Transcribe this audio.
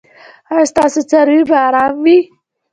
ایا ستاسو څاروي به ارام وي؟